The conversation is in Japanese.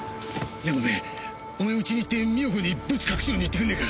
山部お前うちに行って美代子にブツ隠すように言ってくんねえか。